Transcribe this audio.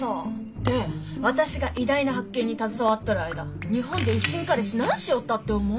で私が偉大な発見に携わっとる間日本でうちん彼氏何しよったって思う？